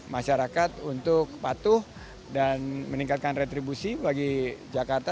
masyarakat untuk patuh dan meningkatkan retribusi bagi jakarta